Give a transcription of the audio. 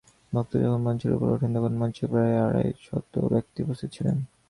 বক্তা যখন মঞ্চের উপর উঠেন, তখন মঞ্চে প্রায় আড়াই শত ব্যক্তি উপস্থিত ছিলেন।